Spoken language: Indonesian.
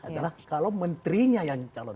adalah kalau menterinya yang calon